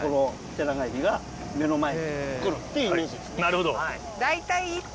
なるほど。